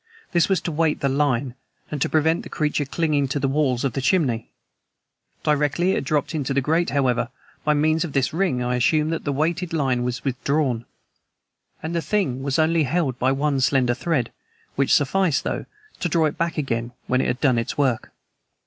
This was to weight the line and to prevent the creature clinging to the walls of the chimney. Directly it had dropped in the grate, however, by means of this ring I assume that the weighted line was withdrawn, and the thing was only held by one slender thread, which sufficed, though, to draw it back again when it had done its work.